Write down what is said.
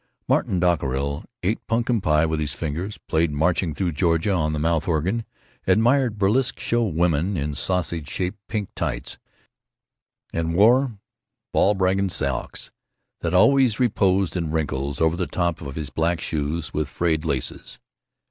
Martin Dockerill ate pun'kin pie with his fingers, played "Marching through Georgia" on the mouth organ, admired burlesque show women in sausage shaped pink tights, and wore balbriggan socks that always reposed in wrinkles over the tops of his black shoes with frayed laces.